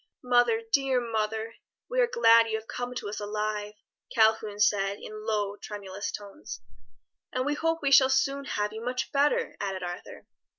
"Mother, dear mother, we are glad you have come to us alive," Calhoun said in low, tremulous tones. "And we hope we shall soon have you much better," added Arthur.